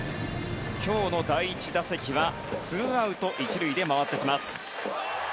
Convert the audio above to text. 今日の第１打席は２アウト１塁で回ってきます。